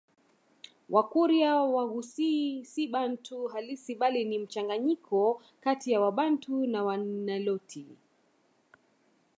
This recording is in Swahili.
Wakurya Waghusii si Bantu halisi bali ni mchanganyiko kati ya Wabantu na Waniloti